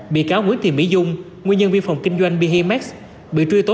bị cáo nguyễn thị mỹ dung nguyên nhân viên phòng kinh doanh bihemex bị truy tố